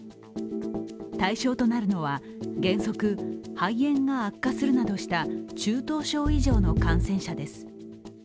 対象となるのは原則、肺炎が悪化するなどした中等症以上の感染者です。